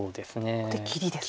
ここで切りですか？